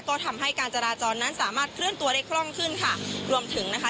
ก็ทำให้การจราจรนั้นสามารถเคลื่อนตัวได้คล่องขึ้นค่ะรวมถึงนะคะ